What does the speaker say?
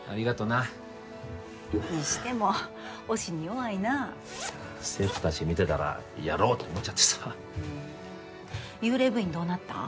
なにしても押しに弱いな生徒たち見てたらやろうって思っちゃってさ幽霊部員どうなったん？